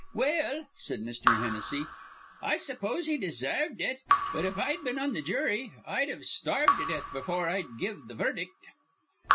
"Well," said Mr. Hennessy, "I suppose he desarved it; but, if I'd been on th' jury, I'd've starved to death before I'd give th' verdict."